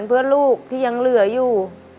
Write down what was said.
ขอเพียงคุณสามารถที่จะเอ่ยเอื้อนนะครับ